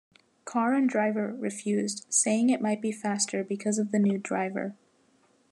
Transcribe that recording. "Car and Driver" refused, saying it might be faster because of the new driver.